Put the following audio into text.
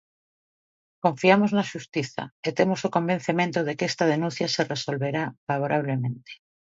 Confiamos na xustiza e temos o convencemento de que esta denuncia se resolverá favorablemente.